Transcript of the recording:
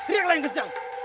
rianglah yang kejang